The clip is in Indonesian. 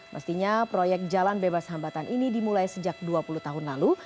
mestinya proyek jalan bebas hambatan ini dimulai sejak dua puluh tahun lalu